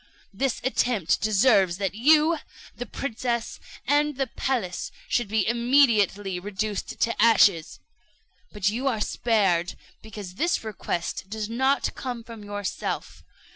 This attempt deserves that you, the princess, and the palace, should be immediately reduced to ashes; but you are spared because this request does not come from yourself.